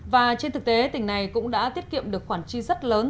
và trên thực tế tỉnh này cũng đã tiết kiệm được khoản chi rất lớn